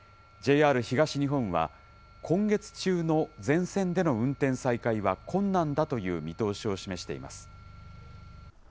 ＪＲ東日本は、今月中の全線での運転再開は困難だという見通しを示しています。